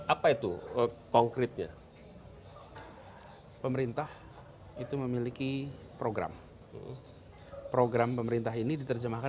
apa itu konkretnya pemerintah itu memiliki program program pemerintah ini diterjemahkan